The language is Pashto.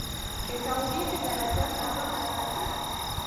د تودیخي درجه ثابته ساتي.